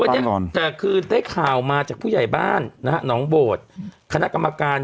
วันนี้แต่คือได้ข่าวมาจากผู้ใหญ่บ้านนะฮะหนองโบดคณะกรรมการ